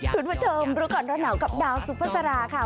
สุดมาเชิมรุกก่อนตอนหนาวกับดาวซูเปอร์สาราค่ะ